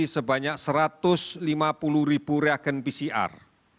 sebanyak satu ratus lima puluh ribu reagen pcr